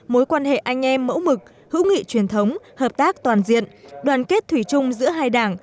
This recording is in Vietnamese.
mối quan hệ anh em mẫu mực hữu nghị truyền thống hợp tác toàn diện đoàn kết thủy chung giữa hai đảng